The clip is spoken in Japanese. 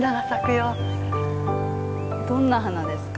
どんな花ですか？